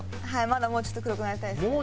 まだもうちょっと黒くなりたいですね。